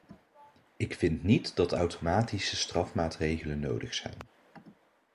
Ik vind niet dat automatische strafmaatregelen nodig zijn.